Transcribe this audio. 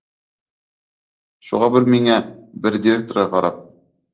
Шуға бер миңә, бер директорға ҡарап: